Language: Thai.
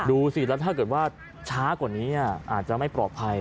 ดูสิแล้วถ้าเกิดว่าช้ากว่านี้อาจจะไม่ปลอดภัย